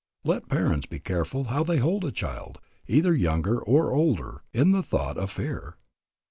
Let parents be careful how they hold a child, either younger or older, in the thought of fear.